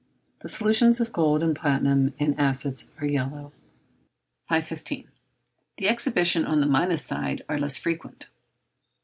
The solutions of gold and platinum in acids are yellow. 515. The exhibitions on the minus side are less frequent.